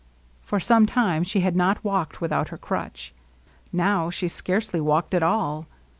For some time she had not walked without her J crutch. Now she scarcely walked at all.